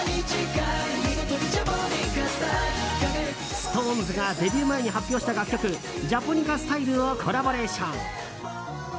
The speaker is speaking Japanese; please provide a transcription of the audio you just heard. ＳｉｘＴＯＮＥＳがデビュー前に発表した楽曲「ＪＡＰＯＮＩＣＡＳＴＹＬＥ」をコラボレーション。